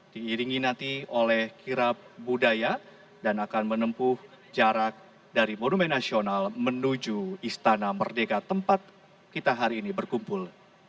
diiringi nanti oleh kirap budaya dan akan menempuh jarak dari monumen nasional menuju istana merdeka tempat kita hari ini berkumpul